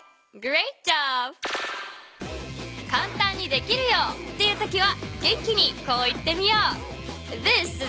「かんたんにできるよ！」っていうときは元気にこう言ってみよう。